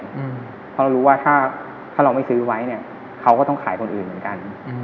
เพราะเรารู้ว่าถ้าเราไม่ซื้อไว้เนี่ยเขาก็ต้องขายคนอื่นเหมือนกัน